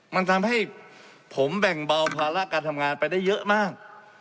มันทำให้ผมแบ่งเบาภาระการทำงานไปได้เยอะมาก